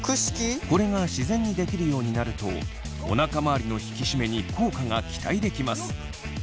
これが自然にできるようになるとおなか周りの引き締めに効果が期待できます。